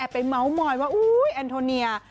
ไปเมาส์มอยว่าอุ๊ยแอนโทเนีย